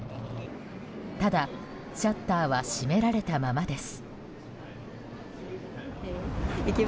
ただ、シャッターは閉められたままです。